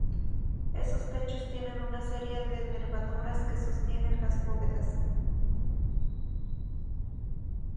Esos techos tienen una serie de nervaduras que sostienen las bóvedas.